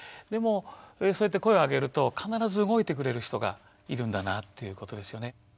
でもそうやって声をあげると必ず動いてくれる人がいるんだなということですよね。